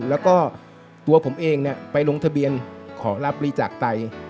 แล้วก็ตัวผมเองไปลงทะเบียนขอรับบริจาคไต